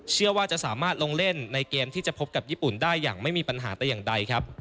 เชื่อว่าจะสามารถลงเล่นในเกมที่จะพบกับญี่ปุ่นได้อย่างไม่มีปัญหาแต่อย่างใดครับ